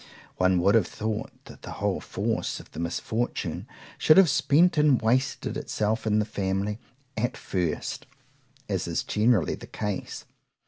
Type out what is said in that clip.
_ One would have thought, that the whole force of the misfortune should have spent and wasted itself in the family at first,—as is generally the case.